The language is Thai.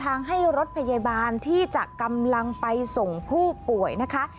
ทางให้รถพยาบาลที่จะกำลังไปส่งผู้ป่วยนะคะ